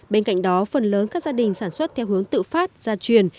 bên cạnh đó phần lớn các gia đình sản xuất theo hướng tự phát gia truyền